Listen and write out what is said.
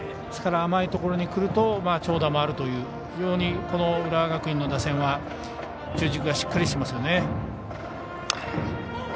甘いところにくると長打もあるという非常に、浦和学院の打線は中軸がしっかりしてますよね。